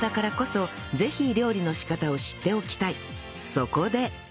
そこで